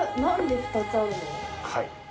はい。